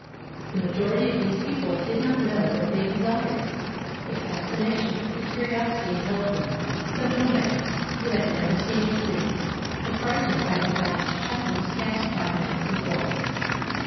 The majority of these people did not know what they desired : a fascination, a curiosity impelled them: the Nomads, who had never seen a city, were frightened by the vast shadows cast by the massive walls.